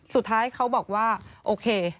สุดท้ายเขาบอกว่าโอเค